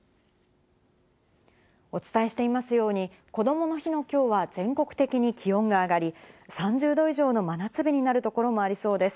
お伝えしていますように、こどもの日の今日は全国的に気温が上がり、３０度以上の真夏日になるところもありそうです。